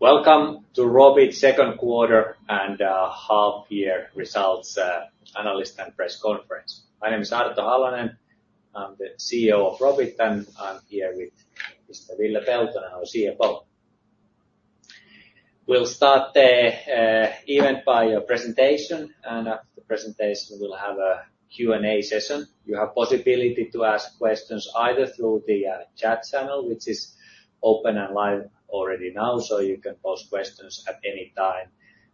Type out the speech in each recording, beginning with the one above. Welcome to Robit Second Quarter and Half Year results Analyst and Press Conference. My name is Arto Halonen. I'm the CEO of Robit, and I'm here with Mr. Ville Peltonen, our CFO. We'll start the event by a presentation, and after the presentation, we'll have a Q&A session. You have possibility to ask questions either through the chat channel, which is open and live already now, so you can post questions at any time,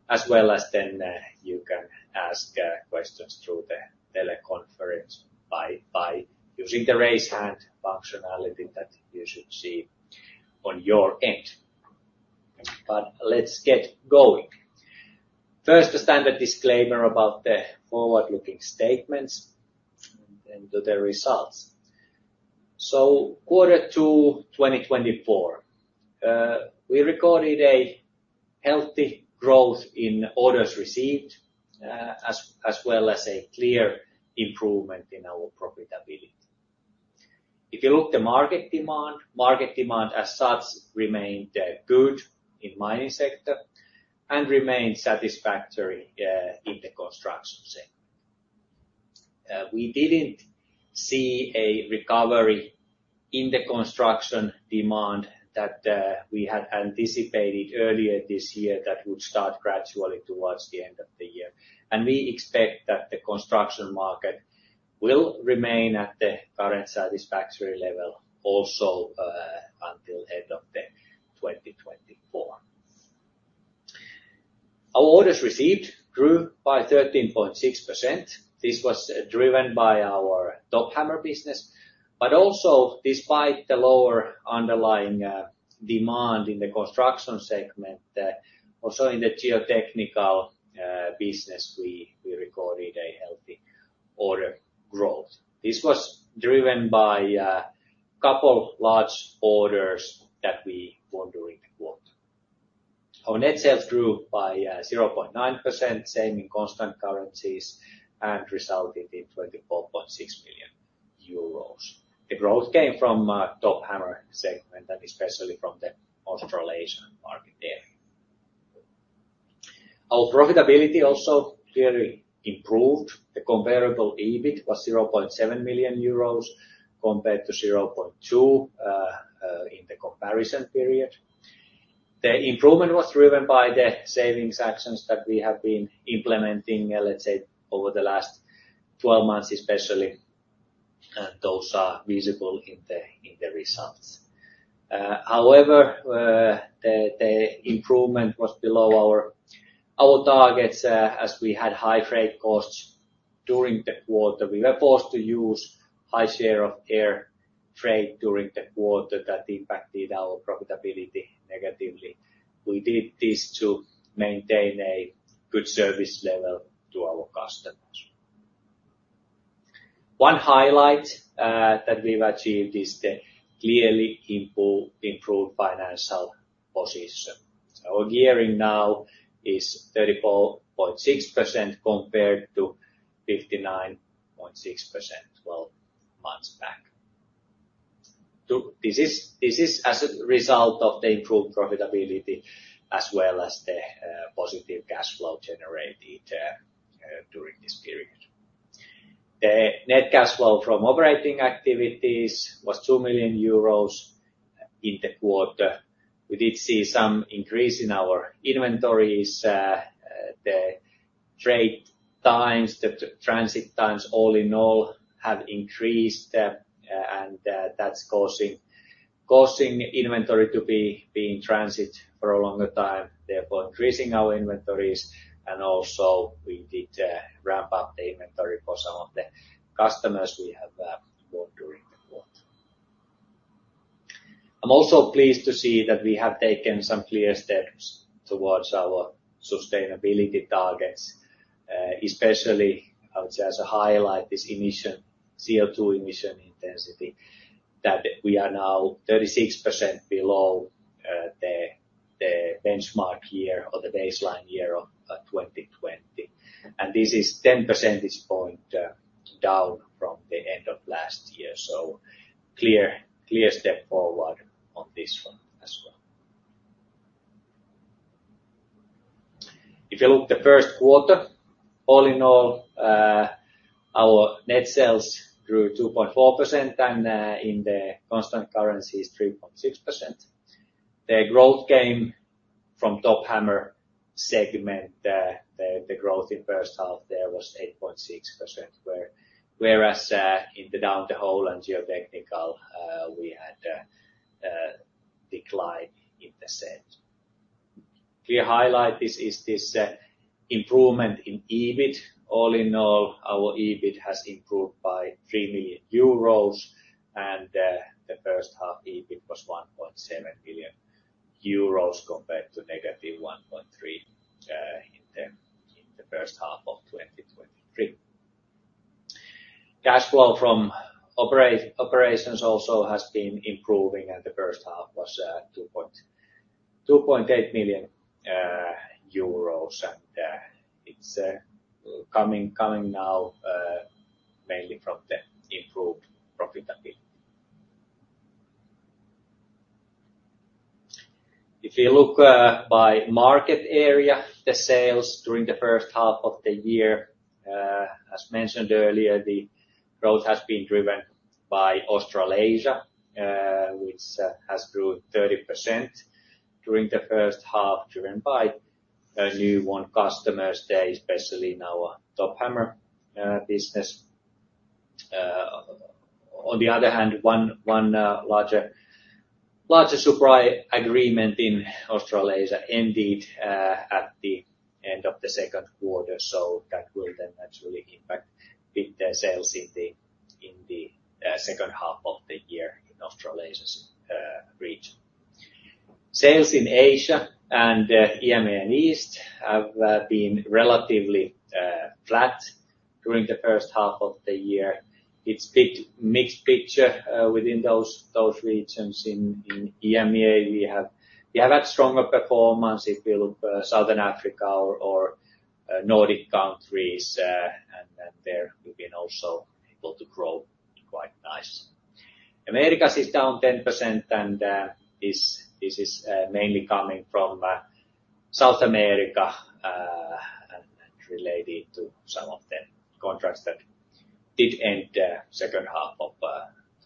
as well as then you can ask questions through the teleconference by using the Raise Hand functionality that you should see on your end. But let's get going. First, the standard disclaimer about the forward-looking statements, then to the results. So quarter two, 2024, we recorded a healthy growth in orders received, as well as a clear improvement in our profitability. If you look the market demand, market demand as such remained good in mining sector and remained satisfactory in the construction segment. We didn't see a recovery in the construction demand that we had anticipated earlier this year that would start gradually towards the end of the year. We expect that the construction market will remain at the current satisfactory level also until end of 2024. Our orders received grew by 13.6%. This was driven by our Top Hammer business, but also despite the lower underlying demand in the construction segment also in the Geotechnical business, we recorded a healthy order growth. This was driven by a couple large orders that we won during the quarter. Our net sales grew by 0.9%, same in constant currencies, and resulted in 24.6 million euros. The growth came from Top Hammer segment, and especially from the Australasian market there. Our profitability also clearly improved. The comparable EBIT was 0.7 million euros, compared to 0.2 million in the comparison period. The improvement was driven by the savings actions that we have been implementing, let's say, over the last 12 months, especially, those are visible in the results. However, the improvement was below our targets, as we had high freight costs during the quarter. We were forced to use high share of air freight during the quarter; that impacted our profitability negatively. We did this to maintain a good service level to our customers. One highlight that we've achieved is the clearly improved financial position. Our gearing now is 34.6%, compared to 59.6% 12 months back. So this is, this is as a result of the improved profitability as well as the positive cash flow generated during this period. The net cash flow from operating activities was 2 million euros in the quarter. We did see some increase in our inventories. The trade times, the transit times, all in all, have increased, and that's causing inventory to be in transit for a longer time, therefore increasing our inventories, and also we did ramp up the inventory for some of the customers we have won during the quarter. I'm also pleased to see that we have taken some clear steps towards our sustainability targets, especially, I would say, as a highlight, this CO2 emission intensity, that we are now 36% below the benchmark year or the baseline year of 2020. And this is 10 percentage points down from the end of last year, so clear step forward on this one as well. If you look at the first quarter, all in all, our net sales grew 2.4%, and in the constant currency is 3.6%. The growth came from Top Hammer segment. The growth in first half, there was 8.6%, whereas in the Down the Hole and Geotechnical, we had decline in the segment. Clear highlight is this improvement in EBIT. All in all, our EBIT has improved by 3 million euros, and the first half EBIT was 1.7 million euros compared to -1.3 million in the first half of 2023. Cash flow from operations also has been improving, and the first half was 2.8 million euros. It's coming now mainly from the improved profitability. If you look by market area, the sales during the first half of the year, as mentioned earlier, the growth has been driven by Australasia, which has grew 30% during the first half, driven by newly won customers there, especially in our Top Hammer business. On the other hand, a larger supply agreement in Australasia ended at the end of the second quarter, so that will then naturally impact the sales in the second half of the year in Australasia region. Sales in Asia and EMEA and East have been relatively flat during the first half of the year. It's a bit mixed picture within those regions. In EMEA, we have had stronger performance if you look to Southern Africa or Nordic countries, and there we've been also able to grow quite nice. Americas is down 10%, and this is mainly coming from South America and related to some of the contracts that did end second half of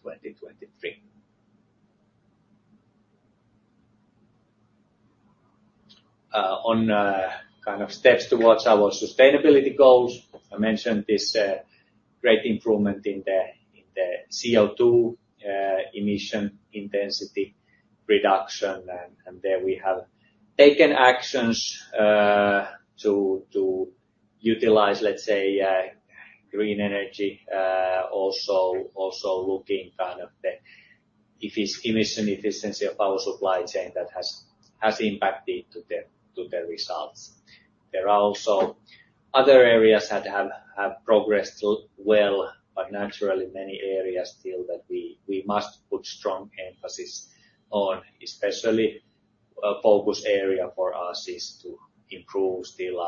2023. On kind of steps towards our sustainability goals, I mentioned this great improvement in the CO2 emission intensity reduction, and there we have taken actions to utilize, let's say, green energy, also looking kind of the emission efficiency of our supply chain that has impacted to the results. There are also other areas that have progressed well, but naturally, many areas still that we must put strong emphasis on, especially a focus area for us is to improve still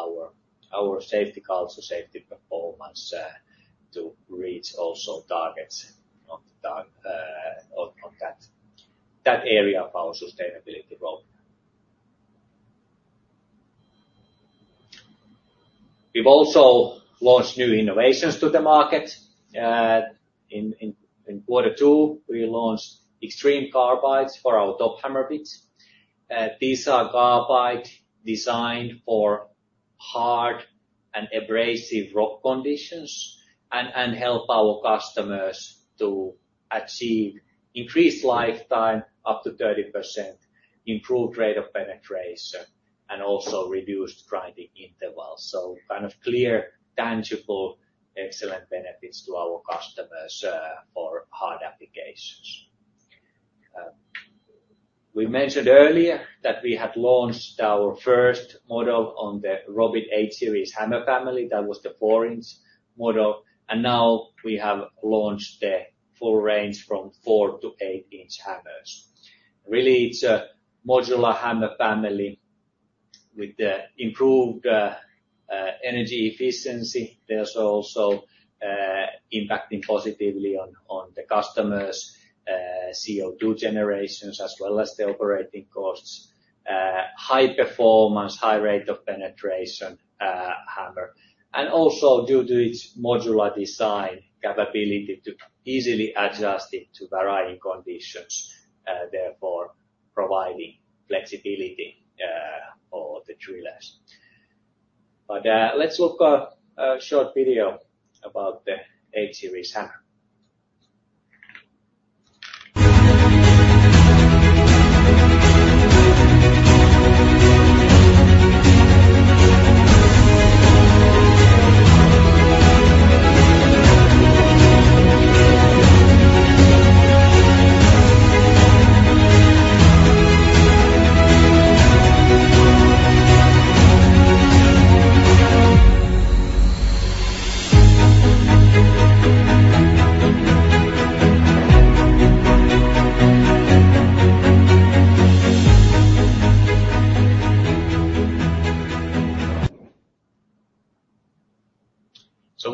our safety culture, safety performance, to reach also targets on that area of our sustainability role. We've also launched new innovations to the market. In quarter two, we launched Extreme carbides for our Top Hammer bits. These are carbide designed for hard and abrasive rock conditions, and help our customers to achieve increased lifetime, up to 30%, improved rate of penetration, and also reduced grinding intervals. So kind of clear, tangible, excellent benefits to our customers for hard applications. We mentioned earlier that we had launched our first model on the Robit H-series hammer family. That was the 4 in model, and now we have launched the full range from 4-8 in hammers. Really, it's a modular hammer family with the improved energy efficiency. There's also impacting positively on the customers CO2 generations, as well as the operating costs, high performance, high rate of penetration hammer. And also, due to its modular design, capability to easily adjust it to varying conditions, therefore, providing flexibility for the drillers. But, let's look at a short video about the H-series hammer.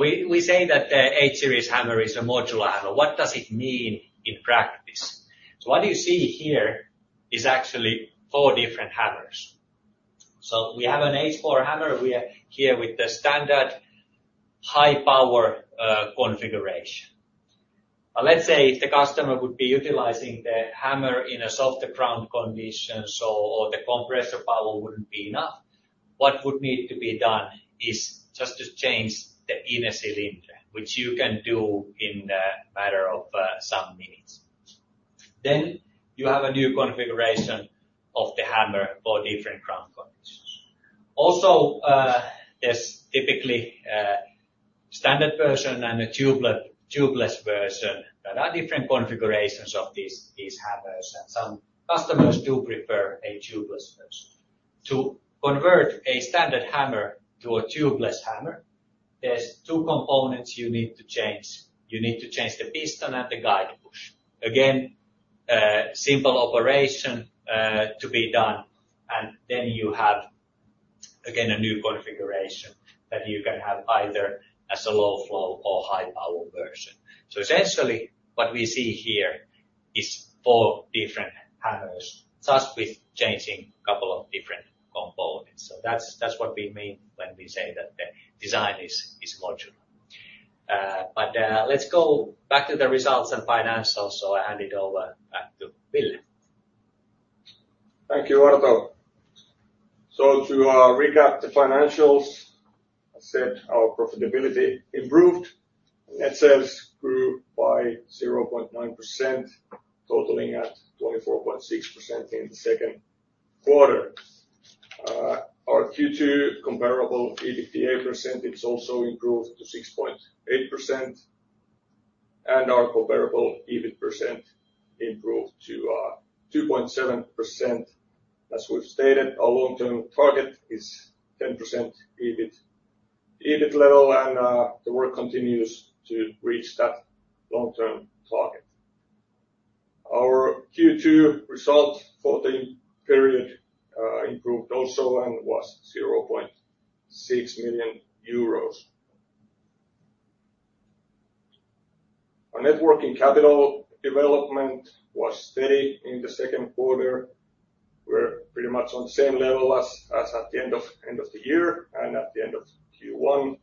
So we say that the H-series hammer is a modular hammer. What does it mean in practice? So what you see here is actually four different hammers. So we have an H4 hammer. We are here with the standard high power configuration. But let's say if the customer would be utilizing the hammer in a softer ground condition, or the compressor power wouldn't be enough, what would need to be done is just to change the inner cylinder, which you can do in a matter of some minutes. Then you have a new configuration of the hammer for different ground conditions. Also, there's typically a standard version and a tubeless version. There are different configurations of these hammers, and some customers do prefer a tubeless version. To convert a standard hammer to a tubeless hammer, there's two components you need to change. You need to change the piston and the guide bush. Again, simple operation to be done, and then you have a new configuration that you can have either as a low flow or high power version. So essentially, what we see here is four different hammers, just with changing a couple of different components. So that's what we mean when we say that the design is modular. But let's go back to the results and financials. So I hand it over back to Ville. Thank you, Arto. So to recap the financials, I said our profitability improved. Net sales grew by 0.9%, totaling at 24.6% in the second quarter. Our Q2 comparable EBITDA percentage also improved to 6.8%, and our comparable EBIT percent improved to 2.7%. As we've stated, our long-term target is 10% EBIT. EBIT level and the work continues to reach that long-term target. Our Q2 result for the period improved also and was 0.6 million euros. Our net working capital development was steady in the second quarter. We're pretty much on the same level as at the end of the year and at the end of Q1.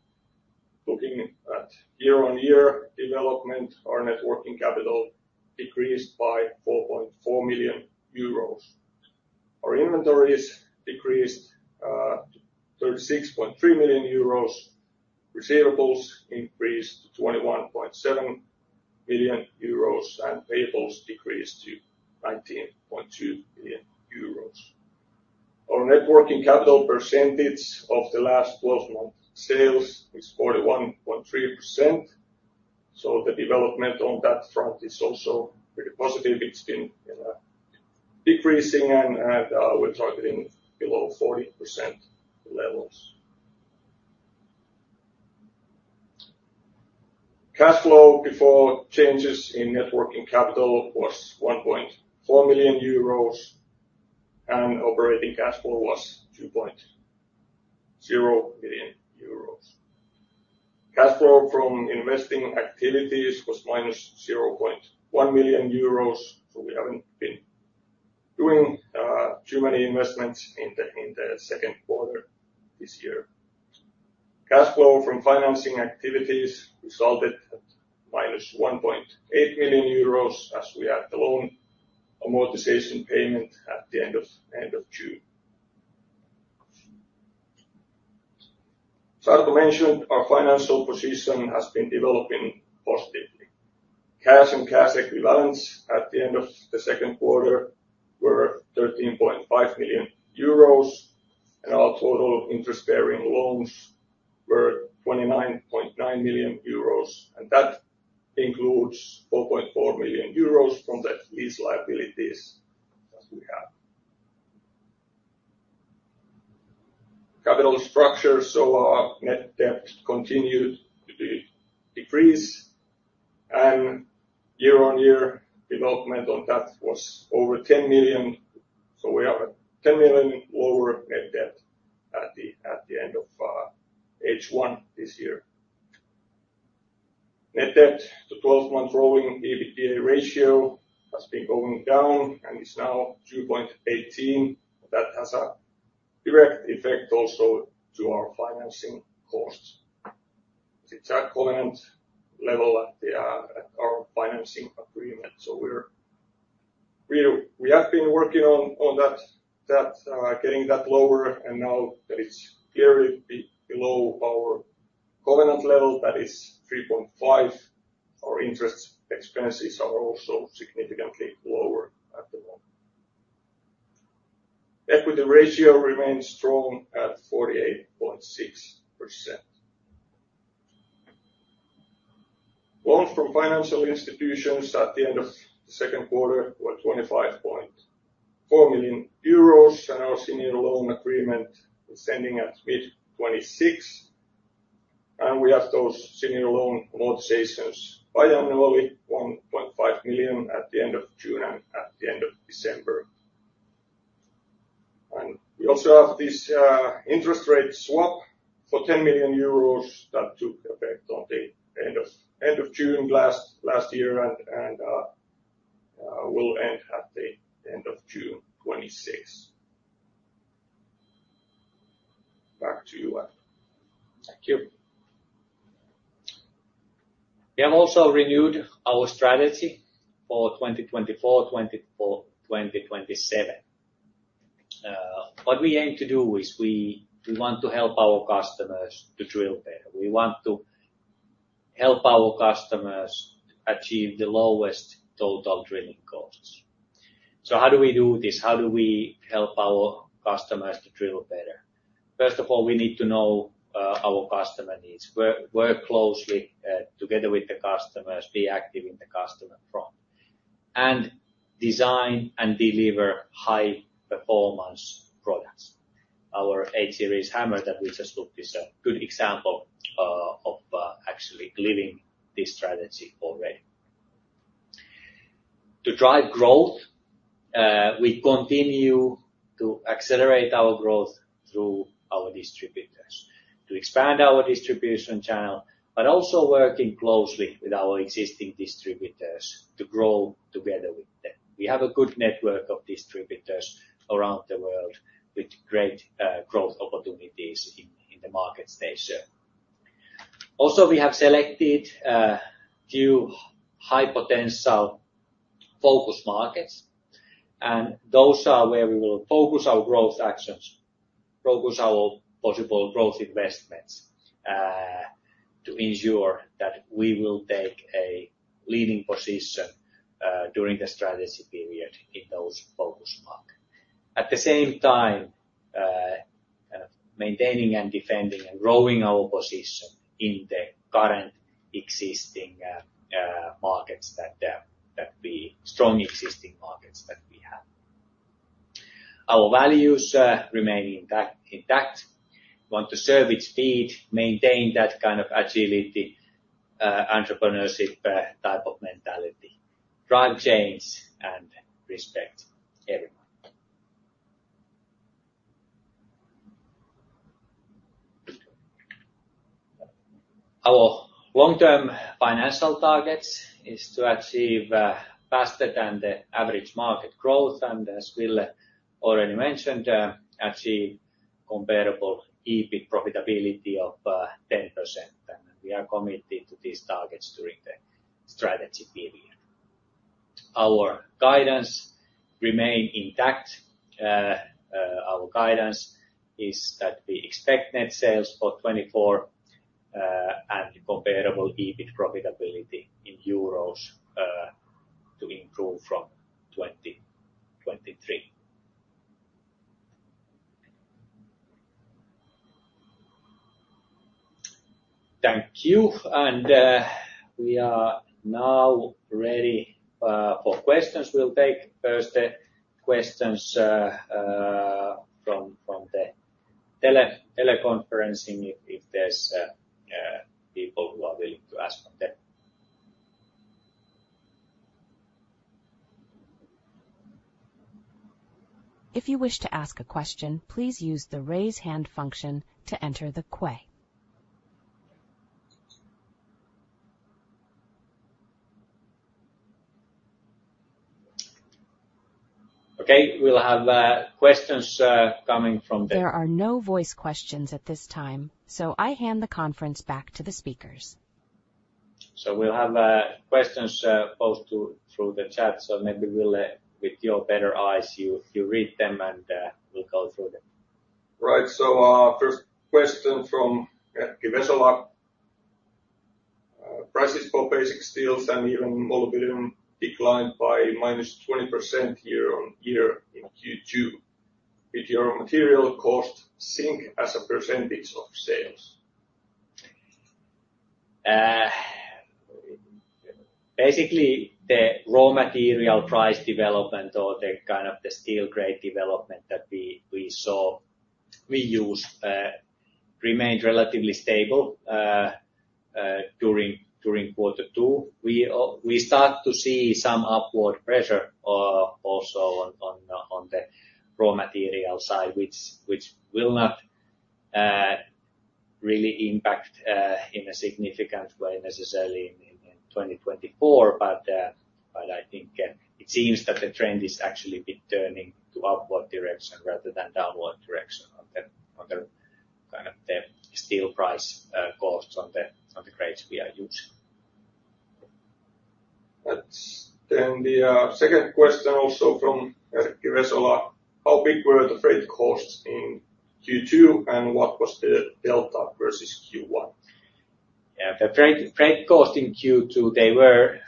Looking at year-on-year development, our net working capital decreased by 4.4 million euros. Our inventories decreased to 36.3 million euros, receivables increased to 21.7 million euros, and payables decreased to 19.2 million euros. Our net working capital percentage of the last 12 months sales is 41.3%, so the development on that front is also pretty positive. It's been decreasing, and we're targeting below 40% levels. Cash flow before changes in net working capital was 1.4 million euros, and operating cash flow was 2.0 million euros. Cash flow from investing activities was -0.1 million euros, so we haven't been doing too many investments in the second quarter this year. Cash flow from financing activities resulted at -1.8 million euros, as we had the loan amortization payment at the end of June. As Arto mentioned, our financial position has been developing positively. Cash and cash equivalents at the end of the second quarter were 13.5 million euros, and our total interest-bearing loans were 29.9 million euros, and that includes 4.4 million euros from the lease liabilities that we have. Capital structure, so our net debt continued to decrease, and year-on-year development on that was over 10 million. So we have a 10 million lower net debt at the end of H1 this year. Net debt to 12-month rolling EBITDA ratio has been going down and is now 2.18%. That has a direct effect also to our financing costs. It's at covenant level at the at our financing agreement, so we're we have been working on that getting that lower, and now that it's clearly below our covenant level, that is 3.5%, our interest expenses are also significantly lower at the moment. Equity ratio remains strong at 48.6%. Loans from financial institutions at the end of the second quarter were 25.4 million euros, and our senior loan agreement is ending at mid-2026, and we have those senior loan amortizations biannually, 1.5 million at the end of June and at the end of December. And we also have this interest rate swap for 10 million euros that took effect on the end of end of June last year, and will end at the end of June 2026. Back to you, Arto. Thank you. We have also renewed our strategy for 2024-2027. What we aim to do is we want to help our customers to drill better. We want to help our customers achieve the lowest total drilling costs. So how do we do this? How do we help our customers to drill better? First of all, we need to know our customer needs. Work closely together with the customers, be active in the customer front, and design and deliver high-performance products. Our H-series hammer that we just looked is a good example of actually living this strategy already. To drive growth, we continue to accelerate our growth through our distributors. To expand our distribution channel, but also working closely with our existing distributors to grow together with them. We have a good network of distributors around the world with great growth opportunities in the markets they serve. Also, we have selected few high potential focus markets, and those are where we will focus our growth actions, focus our possible growth investments, to ensure that we will take a leading position during the strategy period in those focus market. At the same time, kind of maintaining and defending and growing our position in the current existing markets that strongly existing markets that we have. Our values remain intact, intact. Want to serve with speed, maintain that kind of agility, entrepreneurship type of mentality, drive change, and respect everyone. Our long-term financial targets is to achieve faster than the average market growth, and as Ville already mentioned, achieve comparable EBIT profitability of 10%, and we are committed to these targets during the strategy period. Our guidance remain intact. Our guidance is that we expect net sales for 2024 and comparable EBIT profitability in euros to improve from 2023. Thank you! We are now ready for questions. We'll take first the questions from the teleconferencing, if there's people who are willing to ask from there. If you wish to ask a question, please use the Raise Hand function to enter the queue. Okay. We'll have questions coming from the- There are no voice questions at this time, so I hand the conference back to the speakers. So we'll have questions posed through the chat. So maybe Ville, with your better eyes, you read them, and we'll go through them. Right. So, first question from Erkki Vesala. Prices for basic steels and even molybdenum declined by -20% year-on-year in Q2. Did your material cost sink as a percentage of sales? Basically, the raw material price development or the kind of the steel grade development that we, we saw—we use, remained relatively stable, during quarter two. We, we start to see some upward pressure, also on, on, on the raw material side, which, which will not, really impact, in a significant way, necessarily in, in 2024. But, but I think, it seems that the trend is actually a bit turning to upward direction rather than downward direction on the, on the kind of the steel price, cost on the, on the grades we are using. That's then the second question also from Erkki Vesala. How big were the freight costs in Q2, and what was the delta versus Q1? Yeah, the freight cost in Q2, they were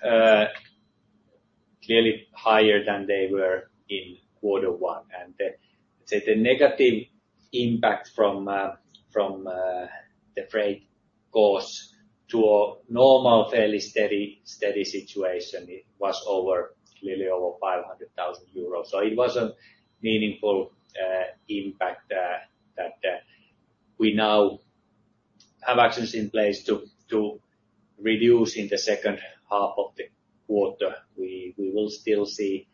clearly higher than they were in quarter one. And the negative impact from the freight costs to a normal, fairly steady situation, it was over clearly over 500,000 euros. So it was a meaningful impact that we now have actions in place to reduce in the second half of the quarter. We will still see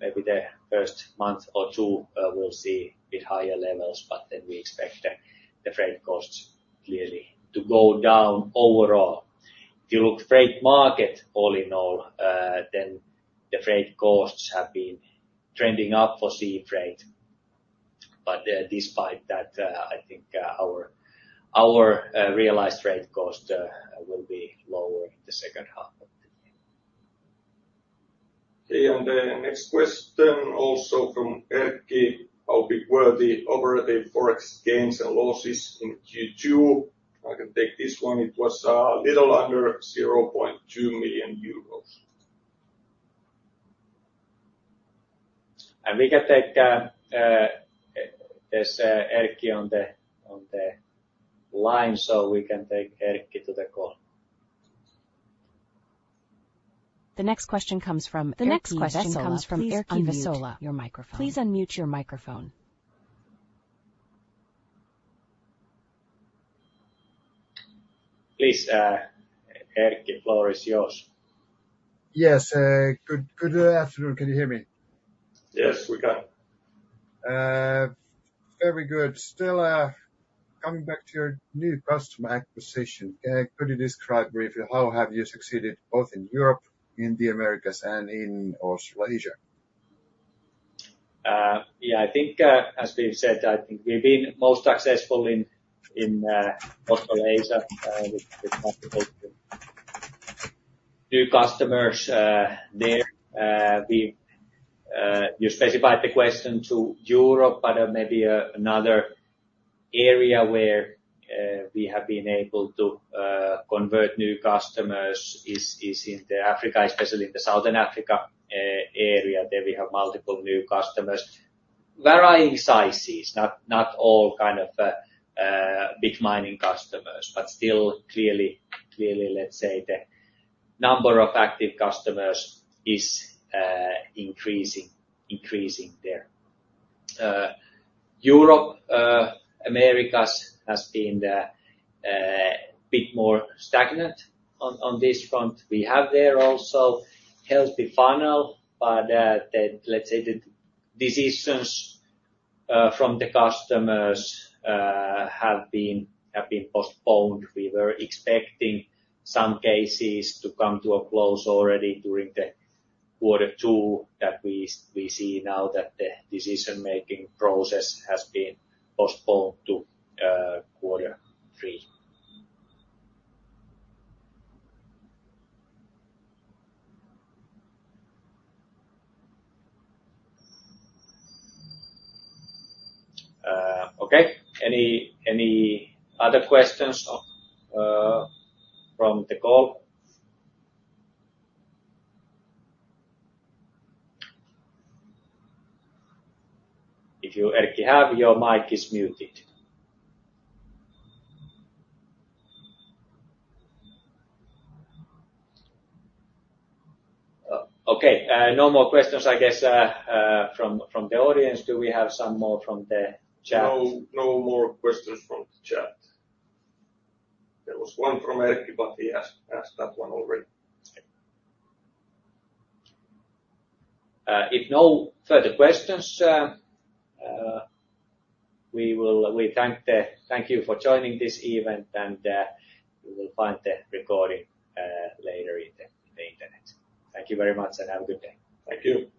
maybe the first month or two, we'll see a bit higher levels, but then we expect the freight costs clearly to go down overall. If you look freight market, all in all, then the freight costs have been trending up for sea freight. But despite that, I think our realized freight cost will be lower in the second half of the year. Okay, and the next question, also from Erkki. How big were the operating Forex gains and losses in Q2? I can take this one. It was a little under 0.2 million euros. We can take. There's Erkki on the line, so we can take Erkki to the call. The next question comes from Erkki Vesala. Please unmute your microphone. Please, Erkki, the floor is yours. Yes, good, good afternoon. Can you hear me? Yes, we can. Very good. Still, coming back to your new customer acquisition, could you describe briefly how have you succeeded both in Europe, in the Americas, and in Australasia? Yeah, I think, as we've said, I think we've been most successful in Australasia with new customers there. You specified the question to Europe, but maybe another area where we have been able to convert new customers is in Africa, especially in the Southern Africa area. There we have multiple new customers, varying sizes, not all kind of big mining customers, but still clearly, let's say the number of active customers is increasing there. Europe, Americas has been a bit more stagnant on this front. We have there also healthy funnel, but the, let's say, the decisions from the customers have been postponed. We were expecting some cases to come to a close already during quarter two, that we see now that the decision-making process has been postponed to quarter three. Okay. Any other questions from the call? If you, Erkki, have, your mic is muted. Okay, no more questions, I guess, from the audience. Do we have some more from the chat? No more questions from the chat. There was one from Erkki, but he asked that one already. If no further questions, we will thank the, thank you for joining this event, and you will find the recording later in the internet. Thank you very much, and have a good day. Thank you.